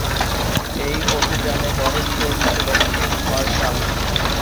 এই অভিযানে গণেশ ঘোষ ছিলেন ফিল্ড মার্শাল।